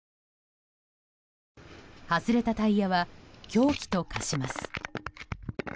外れたタイヤは凶器と化します。